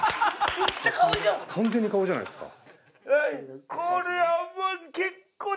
完全に顔じゃないですか。